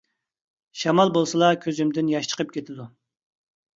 شامال بولسىلا كۆزۈمدىن ياش چىقىپ كېتىدۇ.